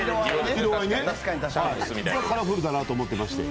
カラフルだなと思ってまして。